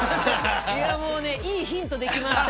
いやもうねいいヒントできました